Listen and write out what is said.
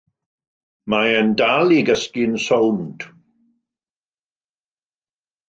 Mae e'n dal i gysgu'n sownd.